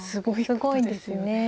すごいです。